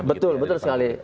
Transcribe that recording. betul betul sekali